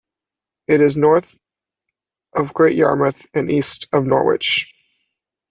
It is north of Great Yarmouth and east of Norwich.